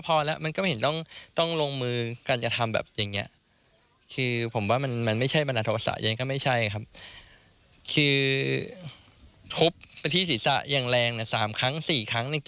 ฟังเสียงน้องชายคุณเชอรี่ค่ะ